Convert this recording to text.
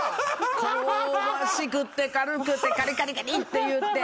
香ばしくて軽くてカリカリカリっていって。